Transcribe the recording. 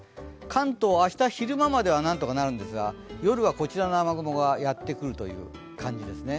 関東、明日、昼間までは何とかなるんですが夜はこちらの雨雲がやってくるという感じですね。